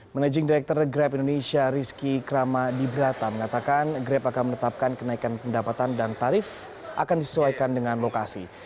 managing director grab indonesia rizky kramadibrata mengatakan grab akan menetapkan kenaikan pendapatan dan tarif akan disesuaikan dengan lokasi